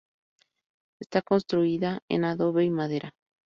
Está construida en adobe y madera.